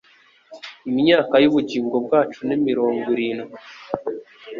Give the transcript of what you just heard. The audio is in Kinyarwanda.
Imyaka y’ubugingo bwacu ni mirongo irindwi